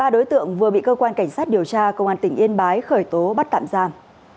ba đối tượng vừa bị cơ quan cảnh sát điều tra công an tỉnh yên bái khởi tố bắt tạm giam